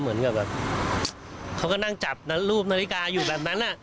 เหมือนกับแบบเขาก็นั่งจับรูปนาฬิกาอยู่แบบนั้น